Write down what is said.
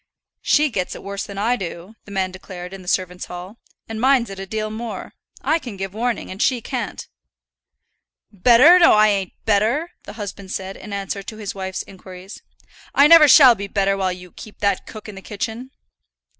"She gets it worse than I do," the man declared in the servants' hall; "and minds it a deal more. I can give warning, and she can't." "Better? No, I ain't better," the husband said, in answer to his wife's inquiries. "I never shall be better while you keep that cook in the kitchen."